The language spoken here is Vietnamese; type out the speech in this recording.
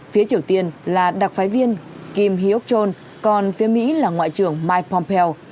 phía triều tiên là đặc phái viên kim hyok chol còn phía mỹ là ngoại trưởng mike pompeo